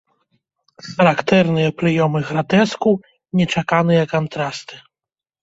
Характэрныя прыёмы гратэску, нечаканыя кантрасты.